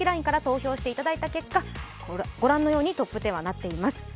ＬＩＮＥから投票していただいた結果、御覧のようにトップ１０はなってます。